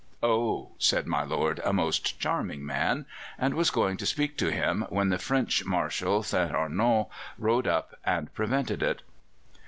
"Oh," said my lord, "a most charming man," and was going to speak to him, when the French Marshal St. Arnaud rode up and prevented it.